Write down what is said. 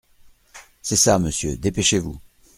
C’est ça, monsieur, dépêchez-vous !